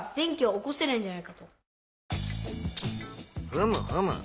ふむふむ。